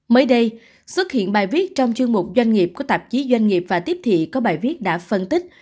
mới đây xuất hiện bài viết trong chương mục doanh nghiệp của tạp chí doanh nghiệp và tiếp thị có bài viết đã phân tích